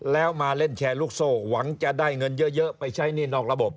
แล้วมาเล่นแชร์ลูกโซ่หวังจะได้เงินเยอะไปใช้หนี้นอกระบบ